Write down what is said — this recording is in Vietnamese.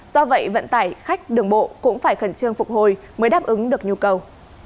do vậy vận tải khách đường bộ cũng phải khẩn trương phục hồi mới đáp ứng được nhu cầu